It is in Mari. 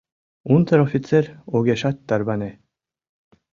Унтер-офицер огешат тарване.